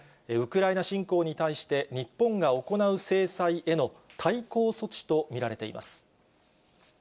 ウクライナ侵攻に対して、日本が行う制裁への対抗措置と見られています。